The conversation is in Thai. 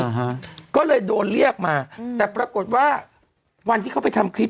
ฮะก็เลยโดนเรียกมาอืมแต่ปรากฏว่าวันที่เขาไปทำคลิป